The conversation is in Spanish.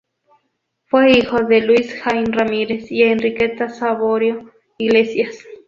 Fue hijo de Luis Hine Ramírez y Enriqueta Saborío Iglesias.